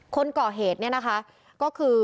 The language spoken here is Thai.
คนก่อเหตุเนี่ยนะคะก็คือ